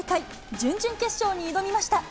準々決勝に挑みました。